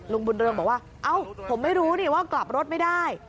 ลุงบุญเรืองบอกว่าเอ้าผมไม่รู้นี่ว่ากลับรถไม่ได้